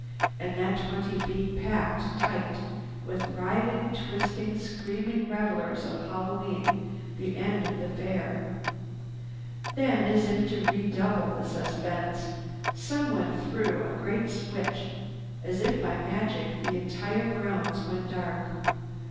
And that twenty feet packed tight with writhing, twisting, screaming revelers of Hallowe'en, the end of the Fair! Then, as if to redouble the suspense, someone threw a great switch. As if by magic, the entire grounds went dark.